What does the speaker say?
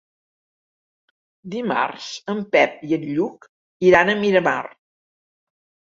Dimarts en Pep i en Lluc iran a Miramar.